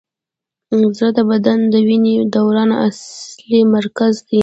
زړه د بدن د وینې دوران اصلي مرکز دی.